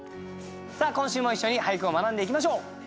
さあ今週も一緒に俳句を学んでいきましょう。